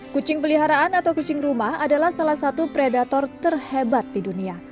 kucing peliharaan atau kucing rumah adalah salah satu predator terhebat di dunia